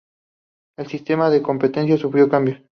El sistema de competencia sufrió cambios.